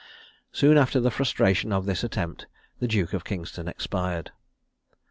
Soon after the frustration of this attempt the Duke of Kingston expired.